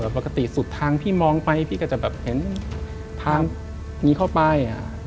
ปกติสุดทางพี่มองไปพี่ก็จะแบบเห็นทางนี้เข้าไป